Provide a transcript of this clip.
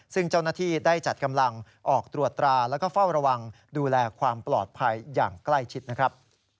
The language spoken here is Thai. ซึ่งเจ้าหน้าที่ได้จัดกำลังออกตรวจตราแล้วก็เฝ้าระวังดูแลความปลอดภัยอย่างใกล้ชิดนะครับ